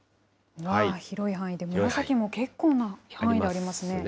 広い範囲で、紫も結構な範囲でありますね。